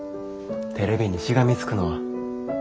テレビにしがみつくのは。